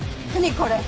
これ。